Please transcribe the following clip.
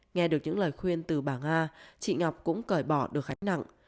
nghe được những lời khuyên từ bà nga chị ngọc cũng cởi bỏ được gánh nặng